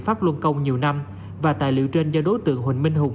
pháp luân công nhiều năm và tài liệu trên do đối tượng huỳnh minh hùng